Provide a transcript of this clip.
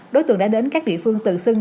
đối tượng đã đến các địa phương tự xưng